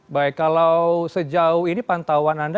baik kalau sejauh ini pantauan anda